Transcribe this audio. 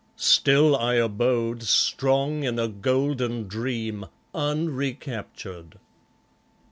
Still I abode strong in a golden dream, Unrecaptured.